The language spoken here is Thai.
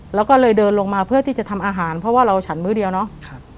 แล้วก็เลยเดินลงมาเพื่อที่จะทำอาหารเพราะว่าเราฉันมื้อเดียวเนาะ